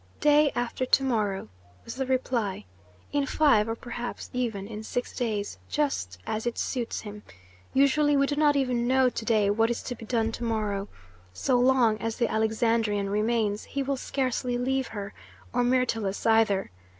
"Day after to morrow," was the reply, "in five, or perhaps even in six days, just as it suits him. Usually we do not even know to day what is to be done to morrow. So long as the Alexandrian remains, he will scarcely leave her, or Myrtilus either.